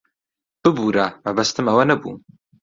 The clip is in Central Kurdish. ببوورە، مەبەستم ئەوە نەبوو.